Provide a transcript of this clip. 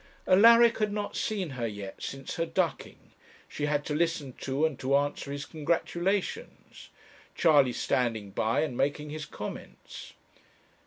Alaric had not seen her yet since her ducking. She had to listen to and to answer his congratulations, Charley standing by and making his comments.